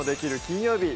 金曜日」